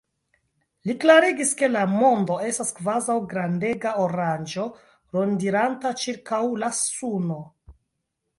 Li klarigis, ke la mondo estas kvazaŭ grandega oranĝo, rondiranta ĉirkaŭ la suno.